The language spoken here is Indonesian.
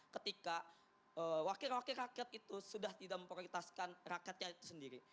ketika wakil wakil rakyat itu sudah tidak memprioritaskan rakyatnya itu sendiri